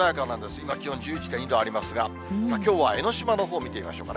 今、気温１１．２度ありますが、きょうは江の島のほう見てみましょうかね。